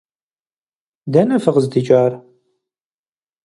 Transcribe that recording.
Дэнэ фыкъыздикӀар?